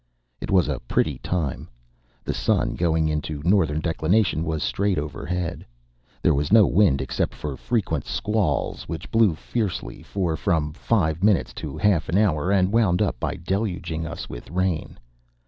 It was a pretty time. The sun, going into northern declination, was straight overhead. There was no wind, except for frequent squalls, which blew fiercely for from five minutes to half an hour, and wound up by deluging us with rain.